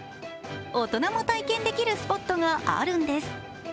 大人も体験できるスポットがあるんです。